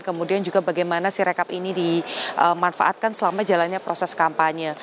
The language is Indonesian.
kemudian juga bagaimana si rekap ini dimanfaatkan selama jalannya proses kampanye